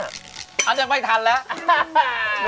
อันยังไม่ทันแล้ว